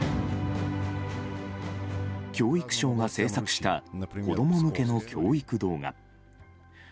教育省が制作した子供向けの教育動画。